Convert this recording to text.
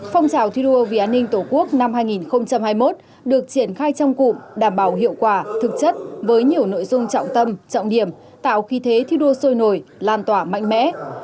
phong trào thi đua vì an ninh tổ quốc năm hai nghìn hai mươi một được triển khai trong cụm đảm bảo hiệu quả thực chất với nhiều nội dung trọng tâm trọng điểm tạo khí thế thi đua sôi nổi lan tỏa mạnh mẽ